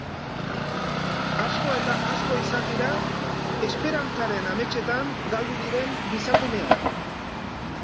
Asko eta asko izan dira esperantzaren ametsetan galdu diren gizakumeak